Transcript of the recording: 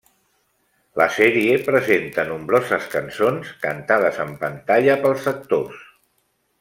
La sèrie presenta nombroses cançons cantades en pantalla pels actors.